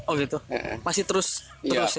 oh gitu masih terus